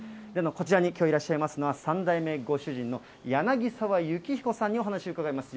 こちらにきょういらっしゃいますのは、３代目ご主人の柳澤幸彦さんにお話を伺います。